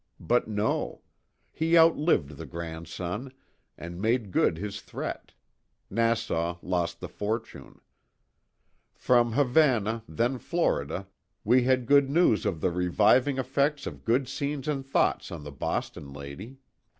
But no. He outlived the grandson, and made good his threat Nassau lost the fortune. From Havana, then Florida, we had good THE TWO WILLS. 143 news of the reviving effects of changed scenes and thoughts on the Boston lady.